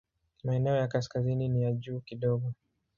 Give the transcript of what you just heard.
Maeneo ya kaskazini ni ya juu kidogo.